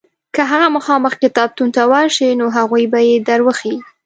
که هغه مخامخ کتابتون ته ورشې نو هغوی به یې در وښیي.